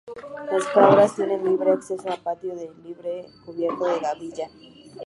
Las cabras tienen libre acceso a un patio al aire libre cubierto de gravilla.